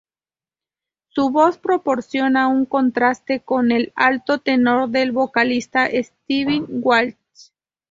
Su voz proporcionan un contraste con el alto tenor del vocalista Steve Walsh.